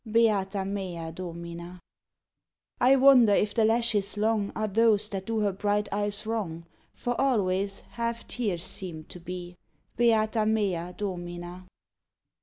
Beata mea Domina! I wonder if the lashes long Are those that do her bright eyes wrong, For always half tears seem to be _Beata mea Domina!